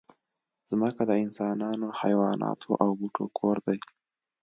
مځکه د انسانانو، حیواناتو او بوټو کور دی.